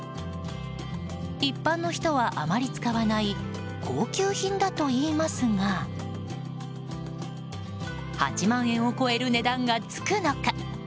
一般の人はあまり使わない高級品だといいますが８万円を超える値段がつくのか。